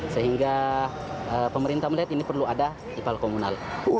sehingga pemerintah melihat ini perlu ada ipal komunal